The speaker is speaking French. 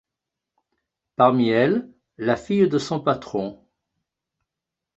Parmi elles, la fille de son patron.